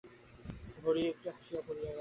ভরি একটা হাসি পড়িয়া গেল।